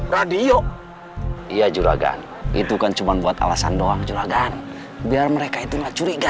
radio iya juragan itu kan cuman buat alasan doang juragan biar mereka itu enggak curiga